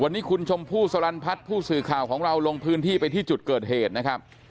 วันนี้คุณชมพู่สลันพัฒน์ผู้สื่อข่าวของเราลงพื้นที่ไปที่จุดเกิดเหตุนะครับ